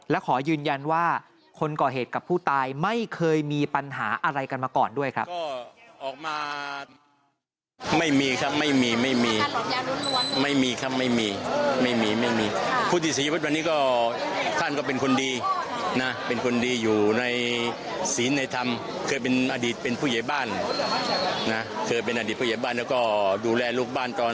และขอยืนยันว่าคนก่อเหตุกับผู้ตายไม่เคยมีปัญหาอะไรกันมาก่อนด้วยครับ